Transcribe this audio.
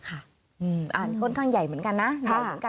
อ่านค่อนข้างใหญ่เหมือนกันนะ